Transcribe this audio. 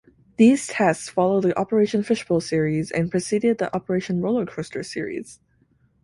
These tests followed the "Operation Fishbowl" series and preceded the "Operation Roller Coaster" series.